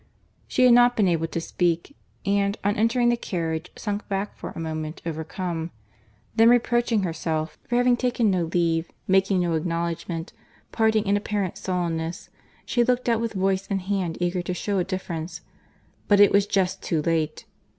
She had not been able to speak; and, on entering the carriage, sunk back for a moment overcome—then reproaching herself for having taken no leave, making no acknowledgment, parting in apparent sullenness, she looked out with voice and hand eager to shew a difference; but it was just too late.